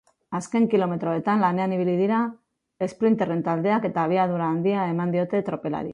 Azken kilometroetan lanean ibili dira esprinterren taldeak eta abiadura handia eman diote tropelari.